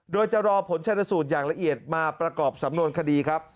โดยจะรอผลชนสูตรอย่างละเอียดมาประกอบสำนวนคดีครับ